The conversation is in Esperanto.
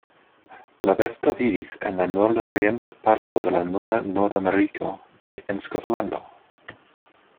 La besto vivis en la nordorienta parto de la nuna Nord-Ameriko kaj en Skotlando.